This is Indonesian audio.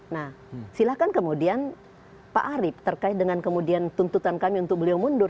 nah silahkan kemudian pak arief terkait dengan kemudian tuntutan kami untuk beliau mundur